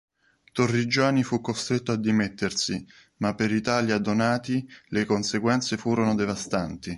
Torrigiani fu costretto a dimettersi, ma per Italia Donati le conseguenze furono devastanti.